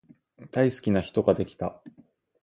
大好きな人ができた